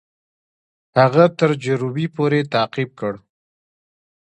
هغه تر جروبي پوري تعقیب کړ.